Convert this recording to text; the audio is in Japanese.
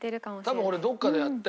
多分俺どこかでやって。